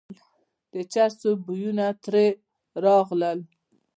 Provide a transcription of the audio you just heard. د چرسو بویونه ترې راغلل.